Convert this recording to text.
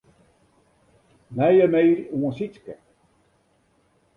Nije mail oan Sytske.